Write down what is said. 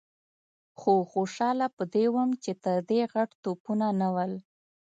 خو خوشاله په دې وم چې تر دې غټ توپونه نه ول.